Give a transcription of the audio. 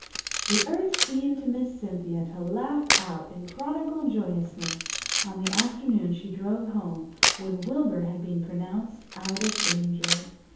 The earth seemed to Miss Cynthia to laugh out in prodigal joyousness on the afternoon she drove home when Wilbur had been pronounced out of danger.